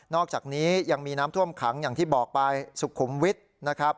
นอกจากนี้ยังมีน้ำท่วมขังสุขุมวิทย์